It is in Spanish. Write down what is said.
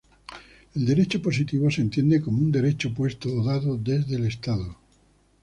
El derecho positivo se entiende como un derecho puesto o dado desde el Estado.